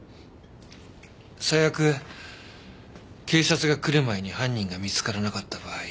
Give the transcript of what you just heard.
最悪警察が来る前に犯人が見つからなかった場合。